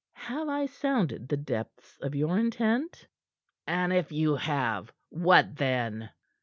Have I sounded the depths of your intent?" "And if you have what then?"